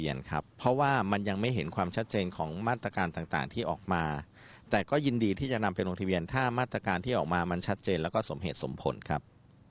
เพราะว่ามันยังไม่เห็นความชัดเจนของมาตรการต่างที่ออกมาแต่ก็ยินดีที่จะนำไปลงทะเบียนถ้ามาตรการที่ออกมามันชัดเจนแล้วก็สมเหตุสมผลครับ